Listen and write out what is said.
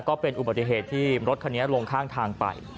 ก็เป็นอุบัติเหตุที่รถคันนี้ลงข้างทางไป